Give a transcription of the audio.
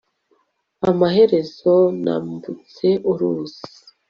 amaherezo nambutse uruzi